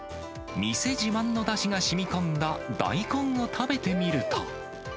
店自慢のだしがしみこんだ大根を食べてみると。